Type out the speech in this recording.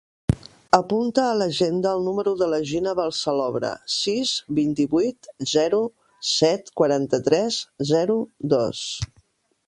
Apunta a l'agenda el número de la Gina Balsalobre: sis, vint-i-vuit, zero, set, quaranta-tres, zero, dos.